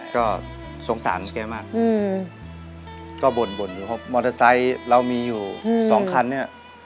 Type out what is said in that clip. ก็สงสารแกมากก็บ่นอยู่เพราะมอเตอร์ไซค์เรามีอยู่สองคันเนี่ย